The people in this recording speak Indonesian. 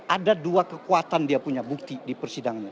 ada dua kekuatan dia punya bukti di persidangannya